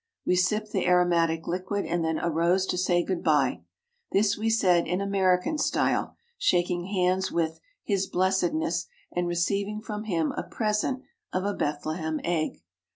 We sipped the aromatic liquid and then arose to say good bye. This we said in Amer ican style, shaking hands with "His Blessedness" and receiving from him a present of a Bethlehem egg.